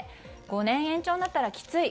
５年延長になったらきつい。